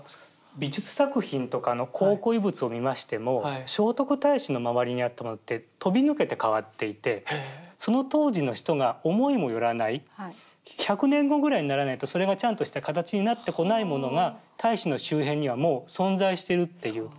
美術作品とかの考古遺物を見ましても聖徳太子の周りにあったものって飛び抜けて変わっていてその当時の人が思いもよらない１００年後ぐらいにならないとそれがちゃんとした形になってこないものが太子の周辺にはもう存在してるっていう